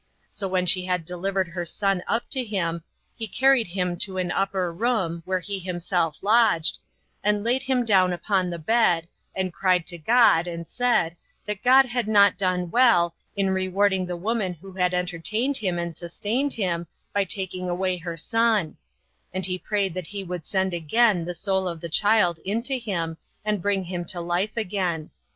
So when she had delivered her son up to him, he carried him into an upper room, where he himself lodged, and laid him down upon the bed, and cried unto God, and said, that God had not done well, in rewarding the woman who had entertained him and sustained him, by taking away her son; and he prayed that he would send again the soul of the child into him, and bring him to life again.